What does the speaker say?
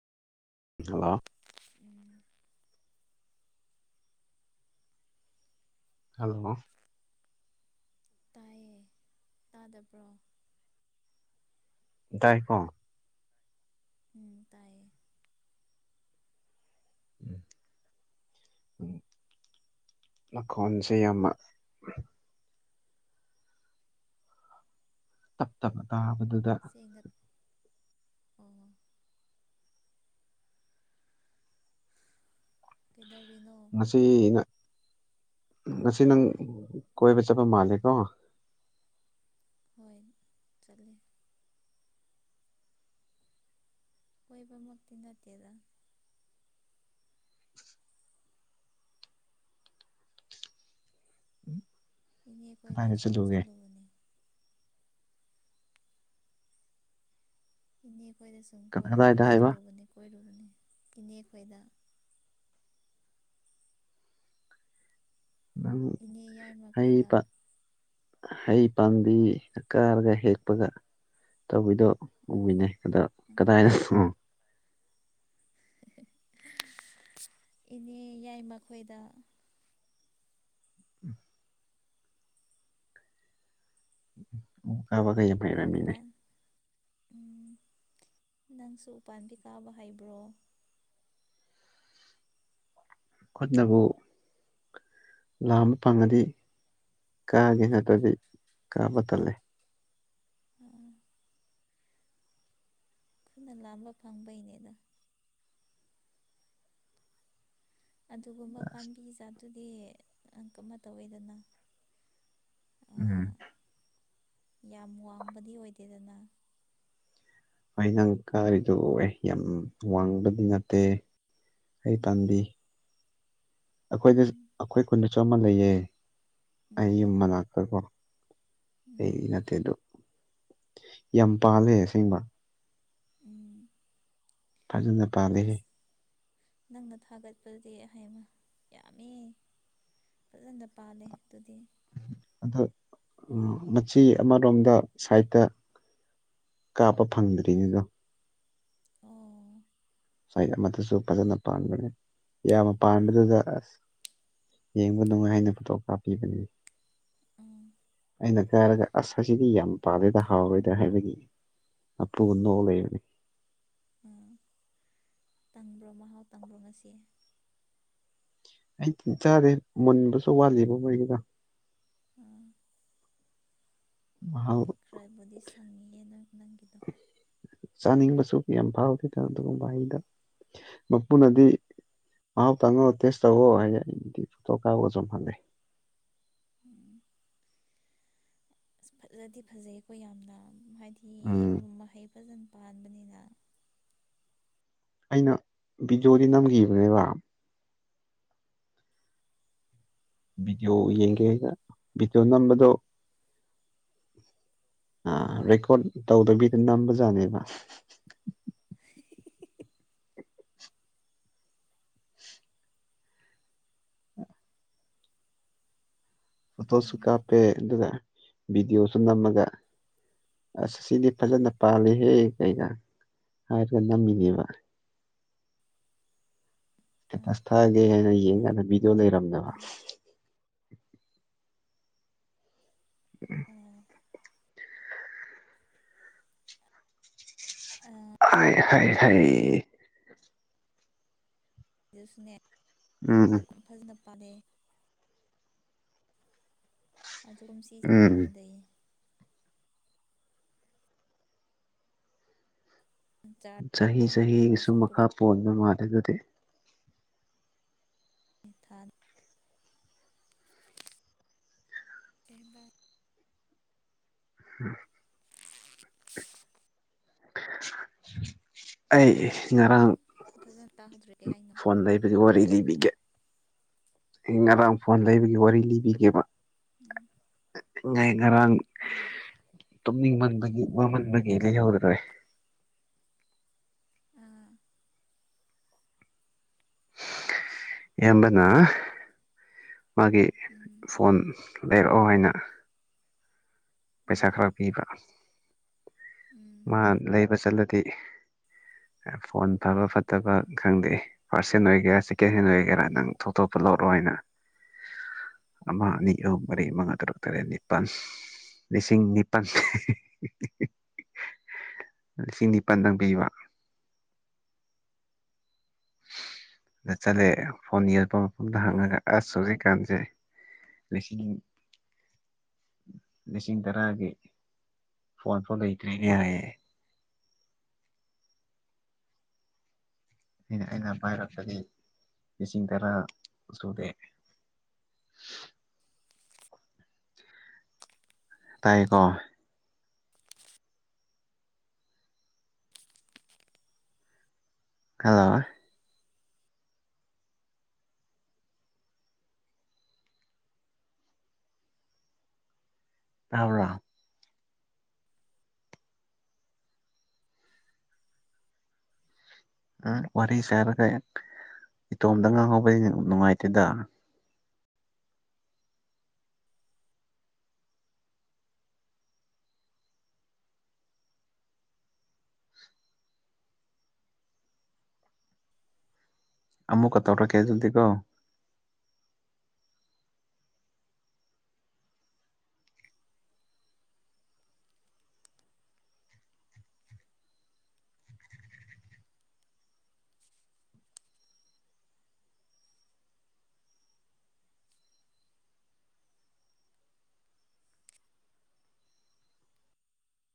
hello ꯎꯝ hello ꯇꯥꯏꯌꯦ ꯇꯥꯗꯕ꯭ꯔꯣ ꯇꯏꯀꯣ ꯎꯝ ꯇꯥꯏꯌꯦ ꯎꯝ ꯎꯝ ꯃꯈꯈꯣꯟꯁꯦ ꯌꯥꯝꯅ ꯇꯞ ꯇꯞꯅ ꯇꯥꯕꯗꯨꯗ ꯊꯦꯡꯒꯠ ꯑꯣ ꯀꯩꯗꯧꯔꯤꯅꯣ ꯉꯁꯤ ꯅꯪ ꯉꯁꯤ ꯅꯪ ꯀꯣꯏꯕ ꯆꯠꯄ ꯃꯥꯜꯂꯦꯀꯣ ꯍꯣꯏ ꯆꯠꯂꯦ ꯀꯣꯏꯕꯃꯛꯇꯤ ꯅꯠꯇꯦꯗ ꯏꯅꯦ ꯈꯣꯏꯗ ꯀꯗꯥꯏꯗ ꯁꯨꯝ ꯆꯠꯂꯨꯒꯦ ꯆꯠꯂꯨꯕꯅꯦ ꯏꯅꯦ ꯈꯣꯏꯗ ꯁꯨꯝ ꯀꯗꯥꯏꯗ ꯍꯥꯏꯕ ꯆꯠꯂꯨꯕꯅꯤ ꯀꯣꯏꯔꯨꯕꯅꯦ ꯏꯅꯦ ꯈꯣꯏꯗ ꯑꯗꯨꯪ ꯏꯅꯦ ꯍ ꯌꯥꯏꯃꯈꯣꯏꯗ ꯄ ꯍꯩ ꯄꯥꯝꯕꯤ ꯀꯥꯔꯒ ꯍꯦꯛꯄꯒ ꯇꯧꯕꯤꯗꯣ ꯎꯝ ꯎꯕꯤꯅꯦ ꯑꯗ ꯎꯝ ꯀꯗꯥꯏꯗ ꯏꯅꯦ ꯌꯥꯏ ꯃꯈꯣꯏꯗ ꯑꯣ ꯀ ꯀꯩ ꯅꯪ ꯎꯄꯥꯟ ꯎꯝ ꯅꯪꯁꯨ ꯎꯄꯥꯥꯟꯕꯤꯤ ꯀꯥꯕ ꯍꯥꯏꯕ꯭ꯔꯣ ꯈꯨꯣꯠꯅꯕꯨ ꯂꯥꯝꯕ ꯐꯪꯉꯗꯤ ꯀꯥꯒꯦ ꯅꯠꯇ꯭ꯔꯗꯤ ꯀꯥꯕ ꯇꯜꯂꯦ ꯑꯥ ꯑꯩꯈꯣꯏꯅ ꯂꯥꯝꯕ ꯐꯪꯕꯩꯅꯦꯗ ꯑꯗꯨꯒꯨꯝꯕ ꯄꯝꯕꯤꯖꯥꯗꯨꯗꯤ ꯑꯪ ꯀ ꯑꯃ ꯇꯧꯋꯦꯗꯅ ꯎꯝ ꯌꯥꯝ ꯋꯥꯡꯕꯗꯤ ꯑꯣꯏꯗꯦꯗꯅ ꯑꯩ ꯅꯪ ꯀꯔꯤꯗꯣ ꯑꯦ ꯌꯥꯝ ꯋꯥꯡꯕꯗꯤ ꯅꯠꯇꯦ ꯑꯩ ꯄꯥꯟꯕꯤ ꯎꯝ ꯑꯩꯈꯣꯏꯗ ꯎꯝ ꯑꯩꯈꯣꯏ ꯀꯨꯟꯗꯁꯨꯝꯃ ꯂꯩꯌꯦ ꯑꯩ ꯎꯝ ꯌꯨꯝ ꯃꯅꯥꯛꯇꯀꯣ ꯎꯝ ꯑꯩꯗꯤ ꯅꯠꯇꯦꯗꯣ ꯌꯥꯝ ꯄꯥꯜꯂꯦ ꯑꯁꯦꯡꯕ ꯎꯝ ꯐꯖꯅ ꯄꯥꯜꯂꯤꯦ ꯑꯁ ꯅꯪꯅ ꯊꯥꯒꯠꯄꯗꯤ ꯑꯩꯍ ꯌꯥꯝꯃꯤ ꯐꯖꯅ ꯄꯥꯜꯂꯦ ꯑꯗꯨꯗꯤ ꯑꯗ ꯃꯆꯤ ꯑꯃꯔꯣꯝꯗ ꯁꯥꯏꯠꯇ ꯀꯥꯞꯄ ꯐꯪꯗ꯭ꯔꯤꯉ ꯑꯗꯣ ꯑꯣ ꯁꯗ ꯑꯃꯗꯨꯁꯨ ꯐꯖꯅ ꯄꯥꯟꯕꯅꯦ ꯌꯥꯝꯕ ꯎꯝ ꯄꯥꯟꯕꯗꯨꯗ ꯑꯁ ꯌꯦꯡꯕ ꯅꯨꯡꯉꯥꯏ ꯍꯥꯏꯅ ꯐꯣꯇꯣꯒ꯭ꯔꯥꯞ ꯄꯤꯕꯅꯤ ꯎꯝ ꯑꯩꯅ ꯀꯥꯏꯔꯒ ꯑꯁ ꯑꯁꯤꯗꯤ ꯌꯥꯝ ꯄꯥꯗꯦꯗ ꯍꯥꯎꯔꯣꯏꯗꯥ ꯍꯥꯏꯕꯒꯤ ꯑꯄ ꯃꯟꯅ ꯎꯝ ꯑꯣꯂ ꯌꯅꯤ ꯎꯝ ꯇꯪꯕ꯭ꯔꯣ ꯃꯍꯥꯎ ꯇꯪꯕ꯭ꯔꯣ ꯉꯁꯤ ꯑꯩ ꯆꯤꯟ ꯆꯥꯗꯦ ꯃꯨꯟꯕꯁꯨ ꯋꯥꯠꯂꯤꯕ ꯃꯣꯏꯒꯤꯗ ꯑꯥ ꯃꯍꯥꯎ ꯍꯣꯏ ꯈꯔꯕꯨꯗꯤ ꯁꯪꯉꯌꯦ ꯅꯪ ꯅꯪꯒꯤꯗꯣ ꯆꯥꯅꯤꯡꯕꯁꯨ ꯀ ꯌꯥꯝ ꯐꯥꯎꯗꯦꯗ ꯑꯗꯨꯒꯨꯝꯕ ꯑꯩꯗ ꯃꯄꯨꯅꯗꯤ ꯍꯥꯎ ꯇꯉꯣ ꯇꯁꯣ ꯍ ꯍꯥꯏꯗꯤ ꯊꯇꯣꯛ ꯀꯥꯕꯨꯣ ꯆꯧ ꯃꯦ ꯎꯝ ꯑ ꯐꯖꯗꯤ ꯐꯖꯩꯀꯣ ꯌꯥꯝꯅ ꯍꯥꯏꯗꯤ ꯎꯝ ꯃꯍꯩ ꯐꯖꯅ ꯄꯥꯟꯕꯅꯤꯅ ꯑꯩꯅ ꯕꯤꯗꯤꯑꯣꯗꯤ ꯅꯝꯈꯤꯕꯅꯦꯕ ꯚꯤꯗꯤꯑꯣ ꯑꯣ ꯌꯦꯡꯒꯦꯒ ꯚꯤꯗꯤꯑꯣ ꯅꯝꯕꯗꯣ ꯑ ꯔꯦꯀꯣꯔꯠ ꯇꯧꯗꯕꯤꯗ ꯅꯝꯕꯖꯥꯠꯅꯦꯕ ꯐꯣꯇꯣꯁꯨ ꯎꯝ ꯀꯥꯞꯄꯦ ꯑꯗꯨꯒ ꯚꯤꯗꯤꯑꯣꯁꯨ ꯅꯝꯃꯒ ꯑꯁ ꯁꯤꯗꯤ ꯐꯖꯅ ꯄꯥꯜꯂꯤꯍꯦ ꯀꯩꯀꯥ ꯍꯥꯏꯔꯒ ꯅꯝꯃꯤꯅꯦꯕ ꯑꯥ ꯏꯁꯇꯦꯇꯁ ꯊꯥꯒꯦ ꯍꯥꯏꯅ ꯌꯦꯡ ꯀꯥꯟꯗ ꯕꯤꯗꯤꯑꯣ ꯂꯩꯔꯝꯗꯕ ꯑꯥ ꯑꯣ ꯑ ꯍꯥꯏ ꯍꯥꯏ ꯍꯥꯏꯌꯦ ꯑꯗꯨꯁꯨꯅꯦ ꯎꯝ ꯍꯥꯞꯈꯨꯝ ꯐꯖꯅ ꯄꯥꯜꯂꯦ ꯑꯗꯨꯒꯨꯝ ꯁꯤꯁꯦ ꯈꯔ ꯎꯝ ꯍꯟꯗꯩꯌꯦ ꯆꯥꯔꯁꯨ ꯆꯍꯤ ꯆꯍꯤꯒꯤꯁꯨꯨ ꯃꯈꯥ ꯄꯨꯔꯛꯑꯦ ꯄꯣꯟꯕ ꯃꯥꯜꯂꯦ ꯑꯗꯨꯗꯤ ꯊꯥ ꯀꯩꯕ ꯎꯝ ꯑꯩ ꯉꯔꯥꯡ ꯐꯖꯅ ꯇꯥꯍꯧꯗ꯭ꯔꯦ ꯀꯩ ꯍꯥꯏꯅꯣ ꯐꯣꯟ ꯂꯩ ꯑꯗꯨꯏ ꯋꯥꯔꯤ ꯂꯤꯕꯤꯒꯦ ꯑꯩ ꯉꯔꯥꯡ ꯐꯣꯟ ꯂꯩꯕꯒꯤ ꯋꯥꯔꯤ ꯂꯤꯕꯤꯒꯦꯕ ꯎꯝ ꯑꯩ ꯉꯥꯏ ꯉꯔꯥꯡ ꯍꯣꯏ ꯇꯨꯝꯅꯤꯡ ꯃꯟꯕꯒꯤ ꯋꯥꯃꯟꯕꯒꯤ ꯂꯤꯍꯧꯗꯔꯦ ꯑꯥ ꯏꯌꯥꯝꯕꯅ ꯃꯥꯒꯤ ꯎꯝ ꯐꯣꯟ ꯂꯩꯔꯛꯑꯣ ꯍꯥꯏꯅ ꯄꯩꯁꯥ ꯎꯝ ꯈꯔ ꯄꯤꯕ ꯎꯝ ꯃꯥ ꯂꯩꯕ ꯆꯠꯂꯗꯤ ꯐꯣꯟ ꯐꯕ ꯐꯠꯇꯕ ꯎꯝ ꯈꯪꯗꯦ ꯐꯥꯔꯁ ꯍꯦꯟ ꯑꯣꯏꯒꯦꯔꯥ ꯁꯦꯀꯦꯟ ꯍꯦꯟ ꯑꯣꯏꯒꯦꯔꯥ ꯎꯝ ꯅꯪ ꯊꯣꯛ ꯊꯣꯛꯄ ꯂꯧꯔꯛꯑꯣꯅ ꯑꯃ ꯎꯝ ꯑꯅꯤ ꯑꯍꯨꯝ ꯃꯔꯤ ꯃꯉꯥ ꯇꯔꯨꯛ ꯇꯔꯦꯠ ꯅꯤꯄꯥꯜ ꯂꯤꯁꯤꯡ ꯅꯤꯄꯜ ꯂꯤꯁꯤꯡ ꯅꯤꯄꯜꯗꯪ ꯄꯤꯕ ꯑꯗ ꯆꯠꯂꯦ ꯐꯣꯟ ꯌꯦꯡꯕ ꯃꯐꯝꯗ ꯍꯪꯉꯒ ꯑꯁ ꯍꯧꯖꯤꯛꯀꯥꯟꯁꯦ ꯂꯤꯁꯤꯡ ꯂꯤꯁꯤꯡ ꯇꯔꯥꯒꯤ ꯐꯣꯟ ꯐꯥꯎ ꯂꯩꯇ꯭ꯔꯤꯅꯦ ꯍꯥꯏꯌꯦ ꯑꯩꯅ ꯑꯩꯅ ꯄꯥꯏꯔꯛꯄꯗꯤ ꯂꯤꯁꯤꯡ ꯇꯔꯥ ꯁꯨꯗꯦ ꯍꯁ ꯇꯥꯏꯌꯦꯀꯣ ꯍꯜꯂꯣ ꯇꯥꯕꯔꯣ ꯎꯝ ꯋꯥꯔꯤ ꯁꯥꯔꯒ ꯏꯇꯣꯝꯇ ꯉꯥꯡꯍꯧꯕꯗꯤ ꯅꯨꯡꯉꯥꯏꯇꯦꯗ ꯑꯃꯨꯛꯀ ꯇꯧꯔꯛꯀꯦ ꯑꯗꯨꯗꯤ ꯀꯣ